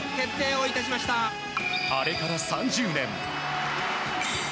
あれから３０年。